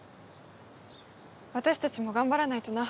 私たちも頑張らないとな。